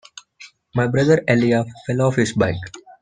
My brother Elijah fell off his bike.